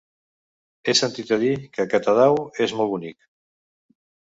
He sentit a dir que Catadau és molt bonic.